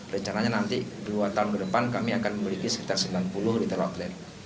rencananya nanti dua tahun ke depan kami akan memiliki sekitar sembilan puluh retail outlet